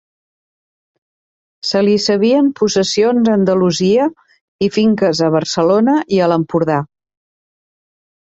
Se li sabien possessions a Andalusia i finques a Barcelona i a l'Empordà.